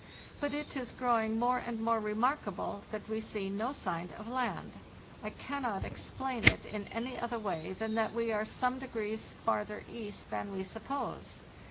But it is growing more and more remarkable that we see no sign of land. I can not explain it in any other way than that we are some degrees farther east than we suppose.